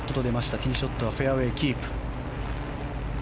ティーショットはフェアウェーキープ。